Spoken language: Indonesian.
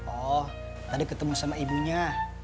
oh tadi ketemu sama ibunya